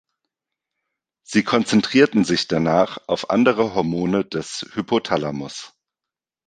Sie konzentrierten sich danach auf andere Hormone des Hypothalamus.